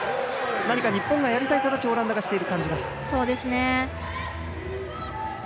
なんだか日本がやりたい形をオランダがしているような。